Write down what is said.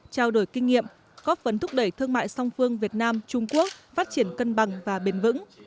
trao đổi kinh nghiệm góp phấn thúc đẩy thương mại song phương việt nam trung quốc phát triển cân bằng và bền vững